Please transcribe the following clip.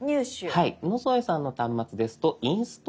野添さんの端末ですと「インストール」。